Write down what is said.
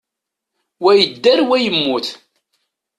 Wa yedder, wa yemmut.